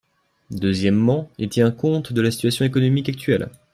Deuxièmement, il tient compte de la situation économique actuelle.